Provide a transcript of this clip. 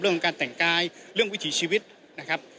เรื่องของการแต่งกายเรื่องวิถีชีวิตนะครับ